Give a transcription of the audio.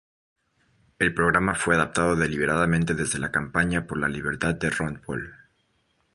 El programa fue adoptado deliberadamente desde la Campaña por la Libertad de Ron Paul.